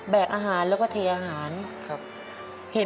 ผมอยากมาช่วยแม่